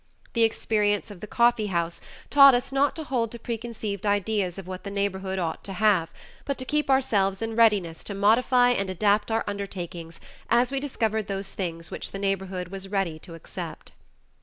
The experience of the coffee house taught us not to hold to preconceived ideas of what the neighborhood ought to have, but to keep ourselves in readiness to modify and adapt our undertakings as we discovered those things which the neighborhood was ready to accept.